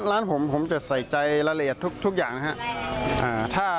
ร้านผมผมจะใส่ใจรายละเอียดทุกอย่างนะครับ